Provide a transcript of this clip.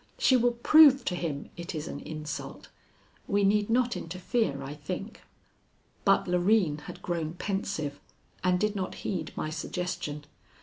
She will prove to him it is an insult. We need not interfere, I think." But Loreen had grown pensive and did not heed my suggestion.